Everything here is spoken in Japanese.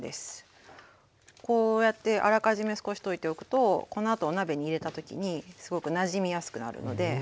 こうやってあらかじめ少し溶いておくとこのあとお鍋に入れた時にすごくなじみやすくなるのではい。